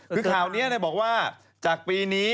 คือข่าวนี้บอกว่าจากปีนี้